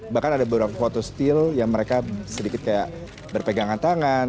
bahkan ada beberapa foto steel yang mereka sedikit kayak berpegangan tangan